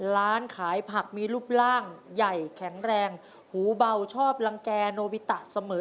ร้านขายผักมีรูปร่างใหญ่แข็งแรงหูเบาชอบรังแก่โนบิตะเสมอ